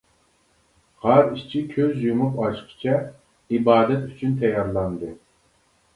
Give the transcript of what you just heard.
غار ئىچى كۆز يۇمۇپ ئاچقىچە ئىبادەت ئۈچۈن تەييارلاندى.